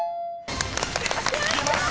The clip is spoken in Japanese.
［きました！